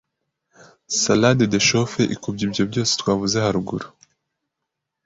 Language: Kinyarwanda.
Salade du chauffe Ikubye ibyo byose twavuze haruguru